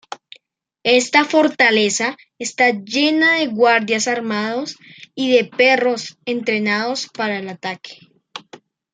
Esta fortaleza está llena de guardias armados y de perros entrenados para el ataque.